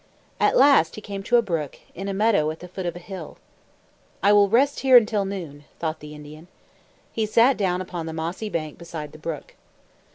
At last he came to a brook, in a meadow at the foot of a hill. "I will rest here until noon," thought the Indian. He sat down upon the mossy bank beside the brook.